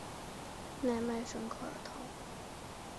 奈迈什科尔陶。